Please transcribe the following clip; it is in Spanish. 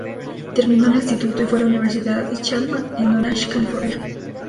Terminó el instituto y fue a la Universidad Chapman en Orange, California.